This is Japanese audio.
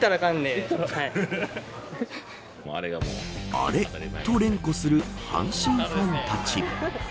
アレと連呼する阪神ファンたち。